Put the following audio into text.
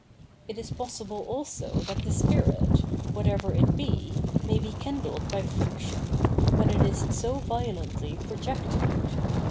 It is possible also that the spirit, whatever it be, may be kindled by friction, when it is so violently projected.